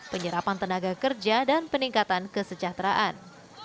penyerapan tenaga kerja dan peningkatan kesejahteraan